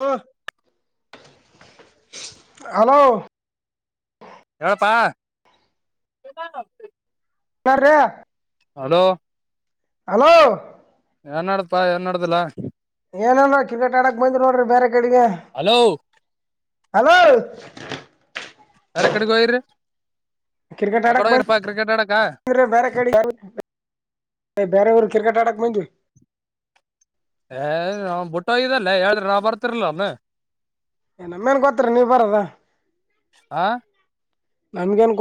ಹ ಹಲೋ ಹೇಳಪ್ಪಾ ಕ್ರ ಹಲೋ ಹಲೋ ಏನ್ಡ್ದಪಾ ಏನ್ಡ್ದಿಲ್ಲ ಏನಲ್ರ ಕಿಲೇಟ್ ಆಡಕ್ ಬಂದರು ನೋಡ್ರಿ ಬೇರೆ ಕಡೆಗೆ ಹಲೋ ಹಲೋ ಯಾರ ಕಡೆ ಗೋಯರಿ ಕ್ರಿಕೆಟ್ ಆಡಕ್ ಬಂದೆ ಬೇರೆ ಕಡೆ ಏ್ ಬೇರೆಯವರು ಕ್ರಿಕೆಟ್ ಆಡಕ್ ಮುಂದ್ವಿ ಏ ನಾವ ಬಿುಟ್ಟೋಗ್ದಲ್ಲ ಹೇಳ್ರಿ ನಾವ ಬರ್ತಿರ್ಲ ಒನು ಏ ನಮ್ಮೇನ್ ಗೊತ್ತರಿ ನೀವ ಬರದ ಆ ನನ್ಗೆನ್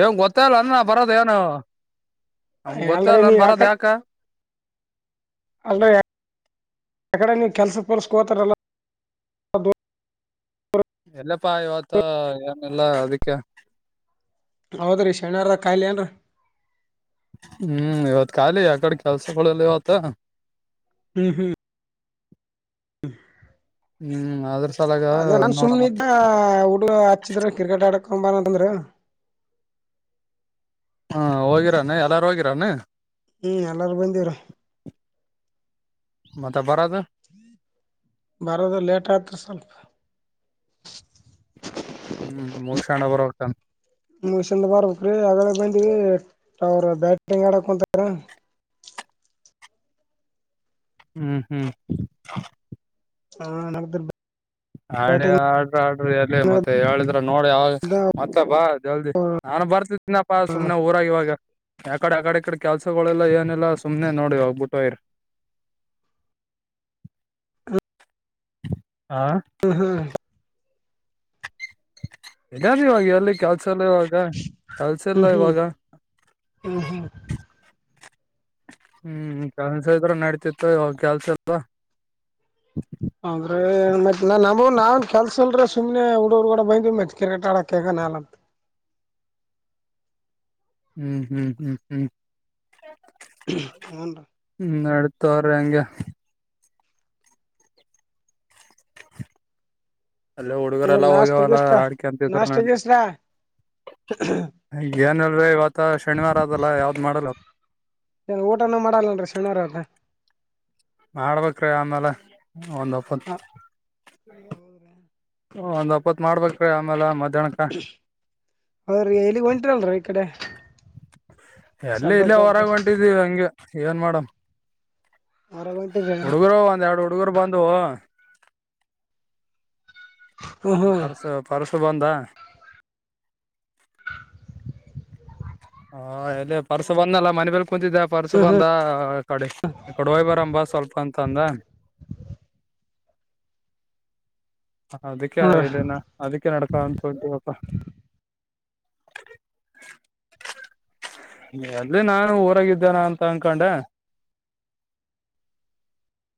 ಏನ್ ಗೊತ್ತಲ್ಲ ಅಂದ ಬರೋದ ಏನು ನಮ್ಗ್ ಗೊತ್ತೇ ಯಳರ ಇಲ್ಲ ನೀ ಅನ್ ಯಕ ಬರೋದ್ ಯಾಕ ಅಕಡೆಮ ಕೆಲ್ಸ ಪೋಲಸ್ಕೋತಾರಲ್ಲ ಎಲ್ಲಪ್ಪ ಇವತ ಏನೆಲ್ಲಾ ಅದಕ್ಕೆ ಹೌದ್ರೀ ಶನಿವಾರದ ಕಾಯಿಲೆ ಏನ್ರ ಹ್ಮ್ ಇವತ್ ಖಾಲಿ ಯ ಕಡೆ ಕೆಲ್ಸಗಳಲ್ಲ ಇವತ್ತ ಹ್ಮ್ ಹ್ಮ್ ಹ್ಮ್ ಅದ್ರ ಸಲಾಗ ಹ ಅದೇ ನನ್ ನೋಡಮಂತ ಸುಮಮ್ಮ್ನಿದ್ದ ಹುಡುಗ ಹಚ್ಚಿದ್ರ ಕ್ರಿಕೆಟ್ ಆಡಕ್ ಕ ಬಾನ ತಂದ್ರ ಹಾ ಹೋಗಿರಾನೆ ಎಲ್ಲಾರು ಹೋಗಿರಾನ ಹ್ಮ್ ಎಲ್ಲಾರೂ ಬಂದವರು ಮತ್ತೆ ಬರದು ಬರೋದ ಲೇಟ್ ಆತ್ ಸ್ವಲ್ಪ ಹ್ಮ್ ಮುಗ ಶಣ್ಣ ಬರೋಟ ಹಸಂದ ಬಾರ್ಬೇಕಕ್್ರಿ ಆಗ ಬಂದಿವವಿಟವರ್ ಬ್ಯಾಟ್ರಂಗ ಆಡ ಕುಂತ್ರ ಹ್ಮ್ ಹ್ಮ್ ಹಾ ನ ಆಡಿ ಆಡ್ರ ಆಡ್ರಿ ಎಲ್ಲಿ ಮತ್ತೆ ಹೇಳಿದ್ರ ನೋಡಿ ಅವ ಮತ್ತ ಬಾ ಜಲ್ದಿ ನ ಬರ್ತಿದನಪ್ಪಾ ಸುಮ್ನೆ ಊರಾಗ ಇವಾಗ ಯಕಡೆ ಆಡೆಡೆ ಕೆಲ್ಸಗಳೆಲ್ಲ ಏನೆಲ್ಲಾ ಸುಮ್ನೆ ನೋಡಿ ಹೋಗ್ಬಿಟ್ಟು ಇ್ರ [inaudible] ಹ್ಮ್ ಹ್ಮ್ ಇದಾದ ಇವಾಗ ಅಲ್ಲಿ ಕೆ ಸಲ್ಲ ಇವಾಗ ಕಲ್ಸ ಎಲ್ಲ ಹ್ಮ್ ಇವಾಗ ಹ್ಮ್ ಹ್ಮ್ ಕೆಲ್ಸ ಇದ್ರ ನಡತಿತ್ತು ಯಾಗ ಕೆಲ್ಸ ಅಲ್ವಾ ಅ್ರೆ ಮತ್ತತ್ ನ ನಮಗ ನಾವನ್ ಕೆಲ್ಸ ಅಲ್ರ ಸುಮ್ನೆ ಹುಡೂರು ಕೂಡ ಬಂದೀವಿ ಮತ್ತತ್ ಕ್ರಿಕೆಟ್ ಆಡಕ್ಗ [inaudible] ಹ್ಮ್ ಹ್ಮ್ ಹ್ಮ್ ಹ್ಮ್ ಹನ್ ರ ತ ರಗೆ ಅಲ್ಲೇ ಊ ಹುಡುಗರೆ ಎಲ್ಲಾ ನಾಷ್ಟ ಹೋಗ್ಯವಲ್ಲ ಗಿಷ್ಟ ಆಡ್ಕೆ ಅಂತಿದ್ರ ನಾಷ್ಟ ನಾಡ್ ಗೀಸ್ರಾ ಈ ಏನಲ್ ಇವತ ಶನಿವಾರ ಆದದಲ್ಲ ಯಾವ್ದ್ ಮಾಡಲ್ಲ [unintelligible] ಊಟನ ಮಾಡಲ್ಲನ್ರರಿ ಶನಿವಾರ ಅತ್ತ [unintelligible] ಮಾಡ್ಬೇಕ್ರೀ ಆಮೇಲೆ ಒಂದ್ ಹಪ್ಪ [unintelligible] ಒಂದ್ ಅಪ್ಪತ್ ಮಾಡ್ಬೇಕ್ರೀ ಆಮೇಲೆ ಮದ್ [unintelligible] ಹೌದ್ರೀ ಎಲ್ಲಿಗ ಹೊಂಟಿರಲ್ರ ಈ ಕಡೆ [unintelligible] ಎಲ್ಲ ಶಬ್ದ ಇಲ್ಲೇ ಕೇಳ್ದ ಹೊರಾಗ ಹೊಂಟಿದೀ ಹಂಗೆ ಏನ್ ಮಾಡಡಮ [unintelligible] ಹೊರಗ್ ಹೊಂಟಿರಿ ಹುಡುಗರು ಒಂದ್ ಎರಡು ಹುಡುಗರು ಬಂದ [unintelligible] ಹ್ಮ್ ಹ್ಮ್ ಪಸ ಪಸು ಬಂದ [unintelligible] ಹಾ ಎಲ್ಲಿ ಪರ್ಸ ಬಂದಲ್ಲ ಮನೆ ಬೇಲ್ [unintelligible] ಕುಂತಿದ್ದ ಪರ್ಸ ಹ್ಮ್ ಬಂದ ಕಡೆ ಕಡೆ ಹೋಯ್ ಬರಂಬ ಸ್ವಲ್ಪ ಅಂತ ಅಂದ [unintelligible] [unintelligible] ಅದಕ್ಕೆ ಹ್ಮ್ ಇೇನಾ ಅದಕ್ಕೆ ನಡಪಾ ಅಂತ ಹೊತೀವಪಾ [unintelligible] ಅದಲಿ ನಾನು ಊರಾಗಿದ್ದೇನ ಅಂತ ಅನ್ಕೊಂಡೆ [unintelligible] [unintelligible]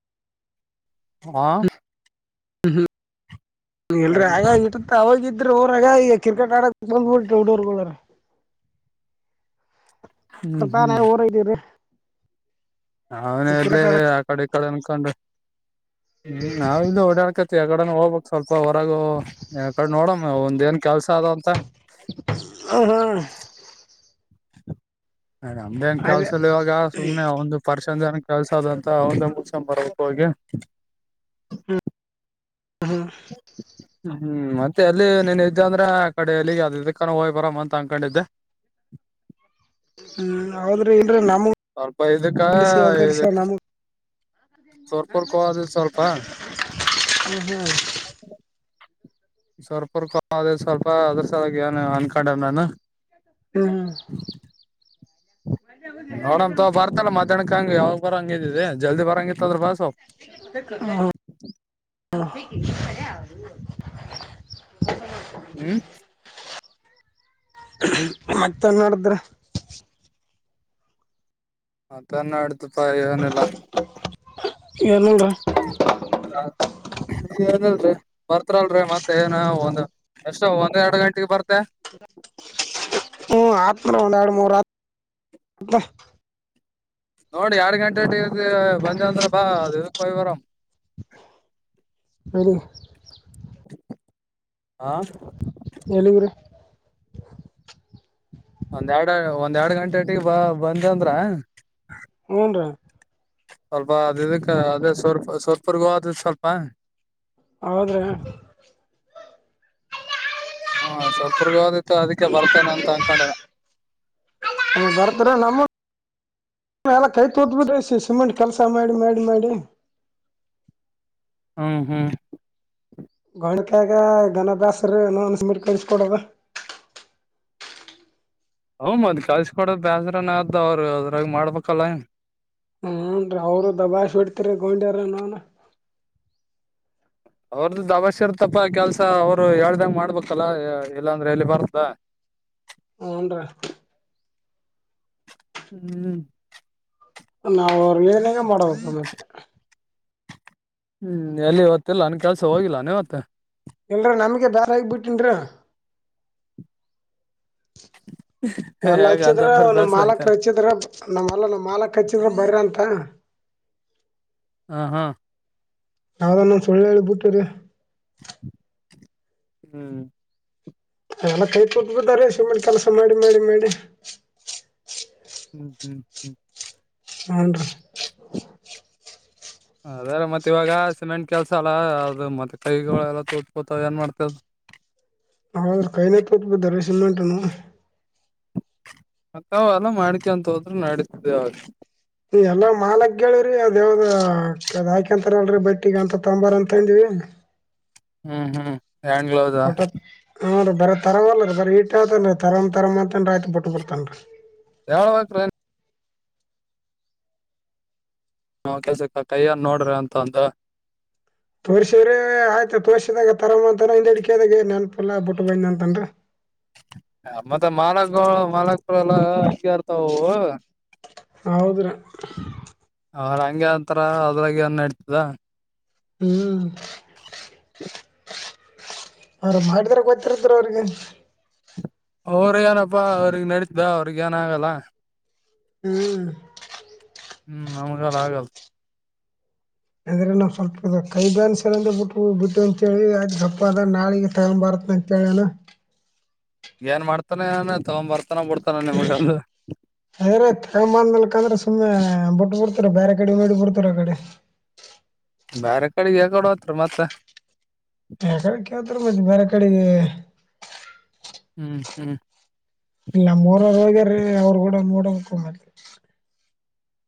ಹಾ [unintelligible] ಹ್ಮ್ ಹ್ಮ್ ಎಲ್ರ ಎಲ್ಲಿ ಆಗಾಗಿ ಇಟ್ಟತ್ತ ಆಾಗ [unintelligible] ಇದ್ರ ರಾಗ ಈಗ ಕ್ರಿಕೆಟ್ ಆಡಕ್ ಬಂದ್ಬ ಹುಡೋರ್ಗಳ [unintelligible] ಹ್ಮ್ ಸ್ವಲ್ಪ ನ ಊರ್ ಇದ್ದೀವ್ರರಿ [unintelligible] ಅವನ ಎಲ್ಲೇ ಆ ಕಡೆ ಕಡೆ ಅನ್ಕೊಂಡು ಹ್ಮ ನಾವ ಇಲ್ಲಿ ಓಡಾಡ್ಕ [unintelligible] ಯಕಡೆ ಹೋಗ್ಬೇಕಕ್ ಸ್ವಲ್ಪ ಹೊರಗ ಯ ಕಡೆ ನೋಡಮ್ಮ ಒಂದ ಏನ್ ಕೆಲ್ಸ ಅದ ಅಂತ [unintelligible] ಹ ಹಾ [unintelligible] ನ ನಮ್ದೇನ್ ಅದೇ ಕೆಲ್ಸಲ್ ಇವಾಗ ಸುಮನೆ ಒಂದು ಪರ್ಷನ್ ಜನ [unintelligible] ಕೆಲ್ಸಾದಂತ ಒಂದೇ ಮುಕ್ಸ ಬರ್ಬೇಕು ಹಿ [unintelligible] ಹ ಹ [unintelligible] ಮತ್ತೆ ಅಲ್ಲಿ ನೀನ್ ಇದ್ದೆ ಅಂದ್ರೆ ಆ ಕಡೆ ಎಲ್ಲಿಗೆ ಅ ಇದಕ್ಕಾನ ಹೋಯ್ ಬರಾಮ ಅಂತ ಅನ್ಕೊಂಡಿದ್ದೆ ಹ್ಮ್ ಹೌದ್ರಿ ಇಲ್ರಿ [unintelligible] ನಮಗ್ ಸ್ವಲ್ಪ ಇದುಕ್ಕ ಕಲ್ಸಿ ದು [unintelligible] ಹ್ಮ ಹಾ [unintelligible] ಸ್ವಲ್ಪರ್ಕ ಅ ಸ್ವಲ್ಪ ಅದ್ರ ಸಲಾಗಿ ಏನ್ ಅನ್ಕೊಂಡಾರ ನಾನ [unintelligible] ಹ್ಮ್ ಹ್ಮ [unintelligible] ನೋಡಂಂತ ಬರ್ತಲ್ಲ ಮ್ಯಾಹ್ಕ ಹಂಗಗೆ ಯಾಗ ಬಂಗಿದಿದೆ ಜಲ್ದಿ ಬರಂಗಿತ್ತದ್ರ ಬಸ್ [unintelligible] ಹ್ಮ [unintelligible] ಎ [unintelligible] ಹ್ಮ್ [unintelligible] ಮತ್ತನ್ ನೋಡಿದ್ರ [unintelligible] ಹ ತನ್ನ ಆಡ್ತಪ್ಪ ಏನೆಲ್ಲ [unintelligible] ಏನಿಲ್ರಿ ಹ ನೀ ಏನಲ್ರರಿ [unintelligible] ಬರ್ತರಲ್ರರಿ ಮತ್ತ ಏನ್ ಒಂದ್ ಎಷ್ಟೋ ಒಂದ್ ಎರಡ್ ಗಂಟೆಗೆ ಬರ್ತ [unintelligible] ಹ್ಮ ಆತ್ನ ಒಂದ ಎರಡು ಮೂರುತ್ [unintelligible] ನೋಡಿ ಎರಡ್ ಗಂಟೆಟ ಬಂದ ಅಂದ್ರ ಬಾ ಅ ಇದಕ್ಯ ಬರಾಮ [unintelligible] ಹ [unintelligible] ಹ [unintelligible] ಎಲ್ಲಿಗ್ರಿ [inaudible] ಒಂದ್ ಎರಡು ಒಂದ್ ಎರಡು ಗಂಟೆಟ್ಟಿಗೆ ಬ ಬಂದ ಅಂದ್ರ [unintelligible] ಹಊನ್ರಾ [unintelligible] ಸ್ವಲ್ಪ ಅದ ಇದಕ್ಕೆ ಅದೇ ಸ್ವಲ್ಪ ಸ್ವಲ್ಪರ್ಗೂ ಅ ಸ್ವಲ್ಪ [unintelligible] ಆದ್ರೆ [unintelligible] ಹಾ ಸ್ವಲ್ಪರ್ಗ [unintelligible] ಅದಕ್ಕೆ ಬರ್ತಾನ ಅಂತ ಅನ್ಕೊಂಡ ಬರ್ತಾರ [unintelligible] ನಮ್ಮ ಎಲ್ಲ ಕೈ ತೋಟ್ಬಸ ಸಿಮೆಂಟ್ ಕೆಲ್ಸ ಮಾಡಿ ಮಾಡಿ ಮಾಡಿ [unintelligible] ಹ್ಮ್ ಹ್ಮ್ [unintelligible] ಗಣಿಕಾಗ ಘನಭ್ಯಾಸರ ಸಿಮೆಂಟ್ಕಲಿಸಕೊಡದು ಹ್ ಮದ್ ಕಳ್ಸಕೊಡ ಬೇಸ್ರನ ಅದ ಅವ್ರು ಅದ್ರಾಗ ಮಾಡ್ಬೇಕಲ್ಲ ಏ ಹೂನ್ರಿ ಅವರು ದಬಾಶ್ ಹೊಡ್ತಿರ ಗೌಂಡಿಯರ ನೌನ ಅವ್ರದ್ದು ದಬಾಶ್ಯರ್ ತಪ್ಪ ಕೆಲ್ಸ ಅವ್ರು ಹೇಳ್ದಂಗ ಮಾಡ್ಬೇಕಲ್ಲ ಇಲ್ಲಾ ಅಂದ್ರೆ ಎಲ್ಲಿ ಬರ್ದ ಹುನ್ರಿ ಹೂ ನಾವು ಅವ್ರ ಏನೇಗ ಮಾಡ್ಬೇಕು ಮತ್ತೆ ಹ್ಮ್ ಎಲ್ಲಿ ಇವತ್ತಿಲ್ಲನ್ನು ಕೆಲ್ಸ ಹೋಗಿಲ್ಲಾನೇವತ್ತ ಇಲ್ರ ನಮಗೆ ಬ್ಯಾಡ ಹಾಗಿ ಬಿಟ್ಟಿನ್ರ ಎಲ್ಲ ಹೇಗ ಅಂತ ಹಚ್ಚಿದ್ರ ಬರ್ ಬೇಸರ ಮಾಲಕರು ಆಯ್ತೇನ್ ಹಚ್ಚಿದ್ರ ನಮ್ಮ್ಲ್ಲ ನಮ್ಮ್ ಮಾಲಕ್ ಹಚ್ಚಿದ್ರ ಬರಂತ ತ್ತಾ ಹ ಹಾ ಯಾವ್ದ ನ್ ಸುಳ್ಳ ಹೇಳಿ ಬಿಟ್ಟರಿ ಹ್ಮ್ ಎಲ್ಲ ಕೈ ಕೂಟ್ಟ ಬಿಟ್ಟಾರಿ ಸುಮ್ ಕೆಲಸ ಮಾಡಿ ಮಾಡಿ ಮಾಡಿ ಹ್ಮ್ ಹ್ಮ್ ಹ್ಮ್ ಹನ್ರರಿ ಅದ್ರ ಮತ್ತತ್ ಇವಾಗ ಸಿಮೆಂಟ್ ಕೆಲ್ಸ ಅಲ್ಲ ಅದು ಮತ್ತೆ ಕೈಗಳ ಎಲ್ಲ ತೂತ ಬಿಳತಾವ ಏನ್ ಮಾಡ್ತದ ಹ್ರ ಕೈನ ತೋತ್ ಬಿದ್ದಾರೆ ಸಿಮೆಂಟ್ನು ಮತ್ತಾವ ಅಲ್ಲ ಮಾಡಿಕೆಂತ ಹೋದ್ರರು ನಡೀತದೆ ಯಾವಾಗ ಎಲ್ಲ ಮಾಲಕ್ ಹೇಳಿವ್ರಿ ಅದ ಯಾವ್ದ ಕ ಹಾಕಂತಾರ ಅಲ್ರಿ ಬಟ್ಟಿಗ ಅಂತ ತೊಂಬಾರ ಅಂತಂದಿವವಿ ಯಂಗ ಹ್ಮ್ ಹ್ಮ್ ಹ್ಯಾಂಡ್ ಗ್ಲೌಸಾ ಹನ್ ರ್ರಿ ಬರ ತರ್ ಅಲ್ಲರ ಬರಿೀ ಇಟ ಅನ್ರಿ ತರ್ ತರಂ ಅಂತೇನ್ ಆಯತು ಬಿಟ್ಟು ಬಿತನ್ರಿ ಹೇಳಬೇಕ್ರಿ ನಾವ್ ಕೆಲ್ಸಕ್ಕ ಕಯ್ಯ ನೋಡ್ರಿ ಅಂತ ಅಂದ ತೋರ್ಸ್ರಿದ ಆಯ್ತು ತೋರ್ಸಿದಾಗ ತರ ಅಂತಾನ ಹಿಂದ ಹಿಡಿಕಿದಾಗ ನೆನಪಲ್ಲ ಬಿುಟ್ಟು ಬಂದ ಅಂತನ್ರ ಮತ್ತ ಮಾಲಕ್ ಮಾಲಕ್ಪರ ಎಲ ಹಿಂಗರ್ತವು ಹೌದ್ರಿ ಅವ್ರು ಅಂಗೆ ಅಂತರ ಅದ್ರಾಗ ನಡ್ತಿದ ಹ್ಮ್ ಅವ್ರ ಮಾಡಿದರ ಗೊತ್ತರಿತ ಅವ್ರಿಗೆ ಅವ್ರ ಏನಪ್ಪಾ ಅವ್ರಿಗೆ ನಡತ್ದ ಅವ್ರಗ ಏನ ಆಗಲ್ಲ ಹ್ಮ್ ಹ್ಮ್ ನಮಗ ಆಗಲ್ ಅದ್ರಲೆ ನಾವು ಸ್ವಲ್ಪ ಕೈ ಬ್ಯಾನ್ಸ್ ಬಿಟ್ಟು ಬಿಟ್ಟು ಅಂತೇಳಿ ಅ ಗಪ್ಪ ಅದ ನಾಳಿಗೆ ಟೈಮ್ ಬಾರತ್ತ ಅಂತೇಳಣ ಏನ್ ಮಾಡ್ತಾನ ಏನ ತಗೊಂಬರ್ತನ ಅದ್ರೆ ತಗೊಂಬಂದಕಂದ್ರೆ ಸುಮ್ನೆ ಬಿಟ್ಟ ಬಿಡ್ತ ಬೇರೆ ಕಡೆ ನೋಡಿ ಬಿಡತಿನಿ ಆ ಕಡಿ ಬರೆ ಕಡೆಗೆ ಯಕಡ ಹೊತ್ರಿಮತ್ತ ಯ ಕಡೆ ಕೇಳ್ತರ ಮತ್ತ ಬೇರೆ ಕಡಗಿ ಹ್ಮ್ ಹ್ಮ್ ಅವರು ಗೂಡ ನೋಡ ಕಡೆ ಹಾಕಿದೆ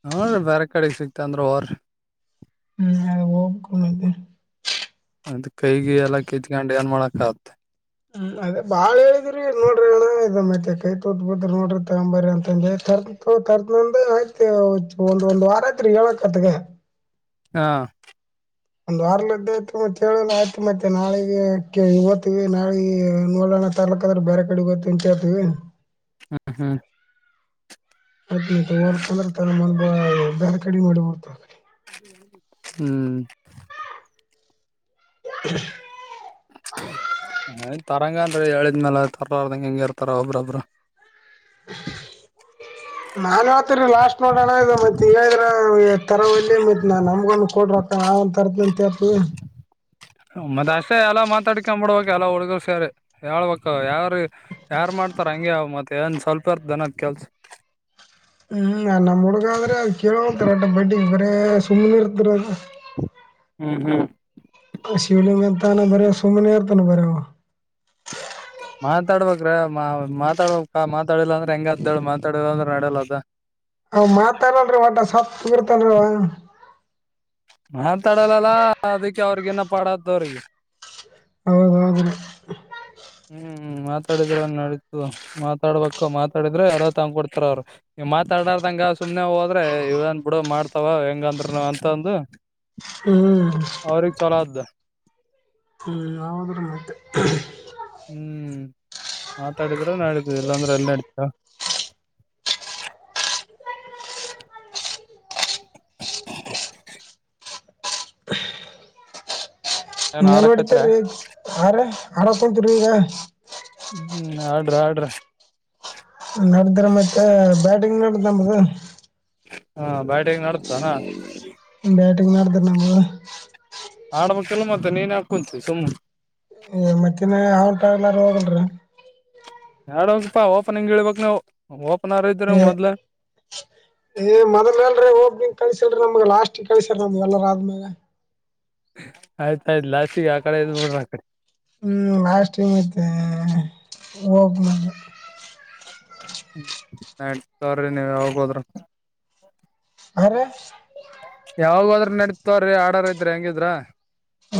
ನೋಡ್ ರಿ ಬೇರೆ ಕಡೆ ಸಿಗ್ತ ಅಂದ್ರ ಹೊರಿ ಹ್ಮ್ ನಾಳೆ ಹೋಗ್ಬೇಕು ಅ ಕೈಗೆ ಎಲ್ಲ ಕಿತ್ಕೊಂಡು ಏನ್ ಮಾಡಕ ಆತ್ತ ಹ್ಮ ಅದೇ ಬಾಳ್ ಹೇಳಿದ್ರಿ ನೋಡ್ರಿ ಅಣ ಇದ ಮತ್ತ ಕೈ ತೋತ್ ಬದ ನೋಡ್ರಿ ತಂಬಾರಿ ಅಂತಂದ ಹೇಳ ತರ್ತಿನಿ ತಗೋ ತರ್ತಿನಿ ಅಂತ ಆಯ್ತ್ ಒಂದ್ ಒಂದ್ ವಾರ ಯತ್ರಿ ಹೇಳಕ್ತ್ಗ ಹಾ ಒಂದ್ ವಾರ್ಲಿಂದ ಆಯ್ತು ಮತ್ತೆೇಳ ಆಯ್ತು ಮತ್ತೆ ನಾಳೆಗೆ ಓತೀವಿ ನಾಳೆ ನೋಡ ತರ್ಲಕ್ಕ ಅಂದ್ರ ಬೇರೆ ಕಡೆ ಹೋಗ್ತೀನಿ ಅಂತ ಹೇಳ್ತಿವಿ ಹ್ಮ ಹ್ಮ್ ಅ ತಂದ್ರ ತ ಮ ದಾರ್ ಕಡಿ ಮಾಡಿಬಡ್ತ ಹ್ಮ್ [inaudible] [inaudible] ತರಂಗನ್ರಿ ಹೇಳಿದ್ಮ್ಯಾಲ ತರರ್ದಂಗ ಹೆಂಗ ಇರ್ತಾರ ಒಬ್ರೊಬರು ನಾನ್ ಆತೀರಿ ಲಾಸ್ಟ ನೋಡೋಣ ಇ ಮತ್ತ ತರವಲ್ಲೇ ಮತ್ ನಾ ನಮ್ಗನ್ನು ಕೊಡ ರೊಕ್ಕ ನಾವ ರ ತರತೀನಿ ಅಂತ ಹೇಳ್ತಿನಿ ಮತ ಅಷ್ಟೇ ಅಲ್ಲ ಕ ಬಿಡ್ಬೇಕ ಎಲ್ಲಾ ಹುಡುಗಲ್ ಸರಿ ಹೇಳ್ಬೇಕ ಯಾರ ಯಾರ್ ಮಾಡ್ತಾರ ಹಂಗೆ ಮತ್ತೆ ಏನ್ ಸ್ವಲ್ಪ ಇರ್ತದೆನಾ ಕೆಲ್ಸ ಹ್ಮ್ ನಮ್ ಹೇ ಸುಮ್ಮ ನಿರ್ತರ ಹ್ಮ್ ಹ್ಮ್ ಶಿವಲಿಂಗ ಅಂತಾನ ಬರ ಸುಮನೆ ಇರ್ತಾನ ಬರ ಮಾತಾಡ್ಬೇಕ್ರ ಮಾ ಮಾತಾಡ್ಬೇಕ ಮಾತಾಡಿಲ್ಲ ಅಂದ್ರೆ ಹೆಂಗ ಆತೇಳ ಮಾತಾಡಿಲ್ಲ ಅಂದ್ರೆ ನಡಲ್ಲ ಅದ ಅವ ಮಾತಾಡಲ್ರಿ ಒಟ್ಟ [unintelligible] ಮಾತಾಡಲ್ಲಲ್ಲ ಅದಕ್ಕೆ ಅವ್ರಿಗನ ಪಾಡ್ದವ್ರಿಗೆ ಹೌದೌದು ರಿ ಹ್ಮ್ ಮಾತಾಡಿದ್ರ ನಡೀತು ಮಾತಾಡ್ಬೇಕ ಮಾತಾಡಿದ್ರೆ ಅರ ತಂದ ಕೊಡ್ತಾರ ಅವ್ರು ಮಾತಾಡಾರ್ದಂಗ ಸುಮನೆ ಹೋದ್ರೆ ಇವನ್ ಬಿಡು ಮಾಡ್ತಾವ ಹೆಂಗಂದ್ರುನು ಅಂತಂದು ಹ್ಮ್ ಅವ್ರಗ ಚೊಲೋ ಆತ ಹ್ಮ ಯಾವುದ್ರ ಮತ್ತೆ ಹ್ಮ್ ಮಾತಾಡಿದ್ರೆ ನಡತದ ಇಲ್ಲಾಂದ್ರೆ ಅಲ್ಲಿ ನಡತದ [inaudible] ಏನ್ ಆಡಕತ್ರ ಮೇಲ್ವಾಡಿತರಿ ಆರಿ ಆ ಈಗ ರೀ ಹ್ಮ್ ಆಡ್ರಿ ಆಡ್ರಿ ನಡದ್ರೆ ಮತ್ತೆ ಬ್ಯಾಟಿಂಗ್ ನಡ್ದನಮದು ಹಾ ಬಾಟಿಂಗ್ ನಡದ ಏನು ಬ್ಯಾಟಿಂಗ್ ನಡದ ರಿ ನಮ್ದು ಆಡ್ಬೇಕ್ಇಲ್ಲ ಮತ್ತೆ ನೀನ್ ಹಾಕ ಕುಂತೀ ಸುಮ್ಮ್ನೆ ಮತ್ತಏನ್ ಹೌನಟ ಆಲರೂ ಹೋಗಲ್ರಿ ಆಡ ಹೋಪಾ ಓಪನಿಂಗ್ ಇಳ್ಬಕ್ ನವು ಓಪನ್ರ ಇದರ ಏ ಮೊದ್ಲ ಏ ಮೊದಲ ಅಲ್ರಿ ಓಪನಿಂಗ್ ಕಳಸಲ್ರಿ ನಮಗ ಲಾಸ್ಟ್ ಕಳಸತಾರ ನಮ್ಗೆ ಎಲ್ಲರ ಆದ್ಮ್ಯಾಗ ಆಯ್ತಾಯ್ತ ಲಾಸ್ಟಿಗೆ ಆ ಕಡೆ ಇದ್ ಬಿೋಡ್ರ ಆ ಕಡೆ ಹ್ಮ್ ಲಾಸ್ಟ್ ಮತ್ತ ಹೋಗ ಮೆ ನಡಿತಾ ತೋರಿ ನೀವ್ ಯಾವಾಗ ಹೋದ್ರ ಹರೆ ನಡಿ ತೋರಿ ಆಡರ್ ಇದ್ರಿ ಹೆಂಗಿದ್ರ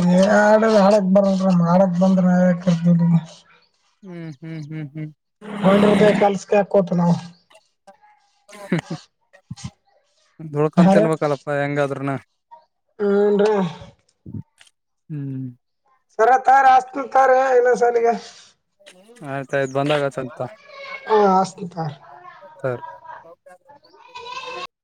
ಹೇ ಆಡ ಆಡಕ್ ಬರಲ್ ನಮ ಹಾಡಕ್ ಬಂದ್ರ್ ನಾವ ಯಾಕ ಕರೀತೀವಿ ನಿಮ್ನ ಹ್ಮ್ ಹ್ಮ್ ಹ್ಮ್ ಹ್ಮ್ ಗೌನ್ಡ್ಯರ ಕೈಯಾಗ ಕೆಲ್ಸಕ ಯಾಕ ಹೋಗತಿವಿ ನಾವು ಳ್ಕಂತನ್ಬೇಕಲ್ಲಪ್ಪಾ ಹೆಂಗಾದ್ರನ ಹನ್ ಹ್ಮ್್ಮ ಸರ ತೋರಿ ಅಚ್ಚತೀನಿ ತೋರಿ ಇನ್ನೊಂದ್ ಸಾಲಿಗೆ ಆಯ್ತಯ್ತು ಬಂದಾಗ ಅಚ್ಚತಿ ಹಾ ಹಸ್ತನ ತಾರ ತೊಗು ಸರಿ [inaudible]